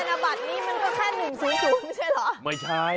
เลขธนบัตรนี่มันก็แค่หนึ่งสูงไม่ใช่เออ